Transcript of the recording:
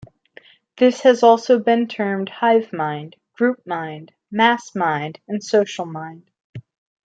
This has also been termed "hive mind", "group mind", "mass mind", and "social mind".